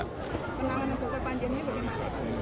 kenapa menyebabkan panjangnya bagi masyarakat